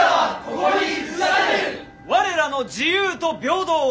我らの自由と平等を。